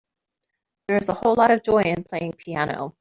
There is a whole lot of joy in playing piano.